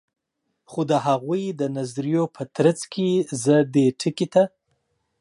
خو د هغوي د نظریو په ترڅ کی زه دې ټکي ته